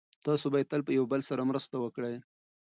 تاسو باید تل یو بل سره مرسته وکړئ.